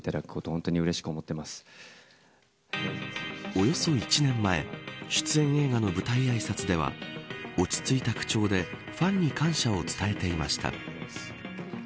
およそ１年前出演映画の舞台あいさつでは落ち着いた口調でファンに感謝を伝えていました。